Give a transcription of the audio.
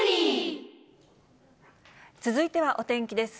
続いてはお天気です。